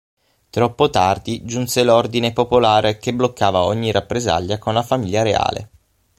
Troppo tardi giunse l'ordine popolare che bloccava ogni rappresaglia con la famiglia reale.